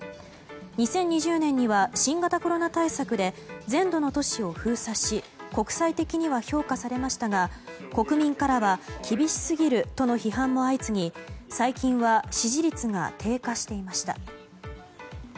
２０２０年には新型コロナ対策で全土の都市を封鎖し国際的には評価されましたが国民からは厳しすぎるとの批判も相次ぎ最近は支持率が低下していました。